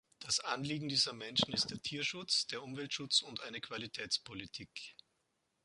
Das Anliegen dieser Menschen ist der Tierschutz, der Umweltschutz und eine Qualitätspolitik.